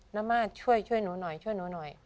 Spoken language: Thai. น้องมาทช่วยหนูหน่อย